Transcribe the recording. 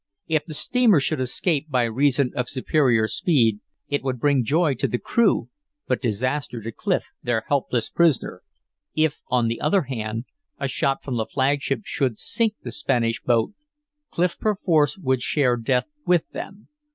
If the steamer should escape by reason of superior speed, it would bring joy to the crew, but disaster to Clif, their helpless prisoner. If, on the other hand, a shot from the flagship should sink the Spanish boat, Clif perforce would share death with them.